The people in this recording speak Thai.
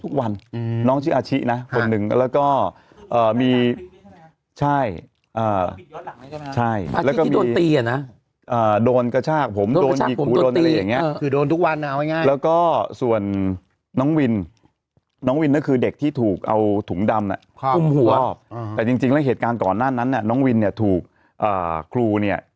แต่จริงแล้วเหตุการณ์ก่อนหน้านั้นเนี่ยน้องวินเนี่ยถูกครูเนี่ย